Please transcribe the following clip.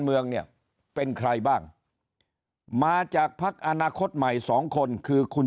เมืองเนี่ยเป็นใครบ้างมาจากพักอนาคตใหม่สองคนคือคุณ